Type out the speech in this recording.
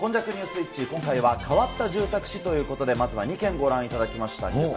イッチ、今回は変わった住宅史ということで、まずは２軒ご覧いただきました。